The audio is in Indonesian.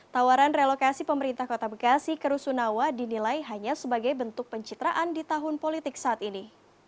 tawaran relokasi pemerintah kota bekasi ke rusunawa dinilai hanya sebagai bentuk pencitraan di tahun politik saat ini